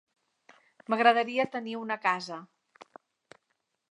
M'agradaria tenir una casa.